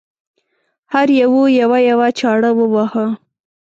هر یوه یوه یوه چاړه وواهه.